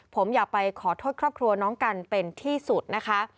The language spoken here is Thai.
ผมอยากไปขอโทษครอบครัวน้องกันเป็นที่สุดนะคะ